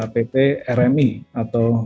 pt rmi atau